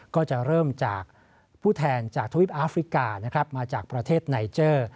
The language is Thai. ก็จะเริ่มจากผู้แทนจากทวิปอาฟริกานะครับมาจากประเทศไนเจอร์